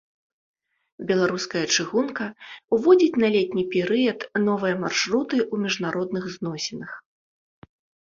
Беларуская чыгунка ўводзіць на летні перыяд новыя маршруты ў міжнародных зносінах.